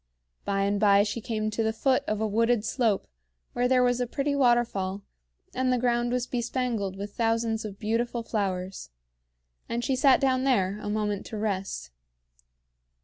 By and by she came to the foot of a wooded slope where there was a pretty waterfall and the ground was bespangled with thousands of beautiful flowers; and she sat down there a moment to rest.